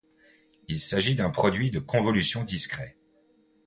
Il s'agit d'un produit de convolution discret.